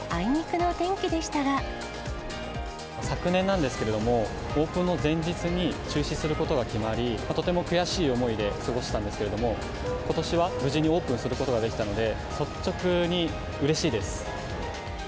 昨年なんですけれども、オープンの前日に中止することが決まり、とても悔しい思いで過ごしたんですけれども、ことしは無事にオープンすることができたので、率直にうれしいです。